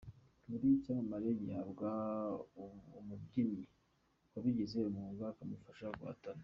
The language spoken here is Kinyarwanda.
Buri cyamamare gihabwa umubyinnyi wabigize umwuga akamufasha guhatana.